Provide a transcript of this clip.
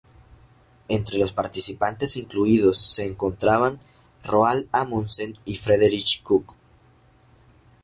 Entre los participantes incluidos se encontraban Roald Amundsen y Frederick Cook.